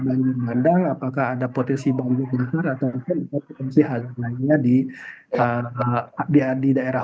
banyak ngandang apakah ada potensi bambu besar atau kelepasan sihat lainnya di hadiah di daerah